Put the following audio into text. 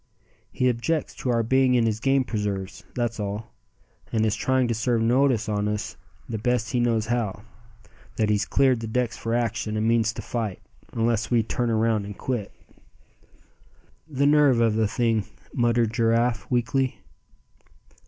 He objects to our being in his game preserves, that's all, and is trying to serve notice on us the best he knows how, that he's cleared the decks for action, and means to fight, unless we turn around and quit." "The nerve of the thing!" muttered Giraffe, weakly.